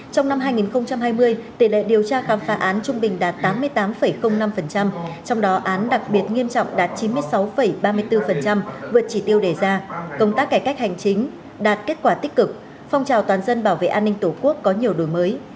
trong năm hai nghìn hai mươi tỷ lệ điều tra khám phá án trung bình đạt tám mươi tám năm trong đó án đặc biệt nghiêm trọng đạt chín mươi sáu ba mươi bốn vượt chỉ tiêu đề ra công tác cải cách hành chính đạt kết quả tích cực phong trào toàn dân bảo vệ an ninh tổ quốc có nhiều đổi mới